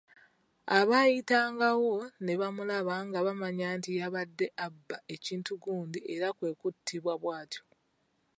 Abaayitangawo ne bamulaba nga bamanya nti yabadde abba ekintu gundi era kwe kuttibwa bw’atyo.